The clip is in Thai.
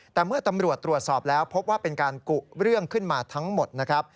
แต่เมื่อตำรวจตรวจสอบแล้วพบว่าเป็นการกุเรื่องขึ้นมาทั้งหมดนะครับ